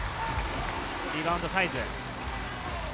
リバウンドはサイズ。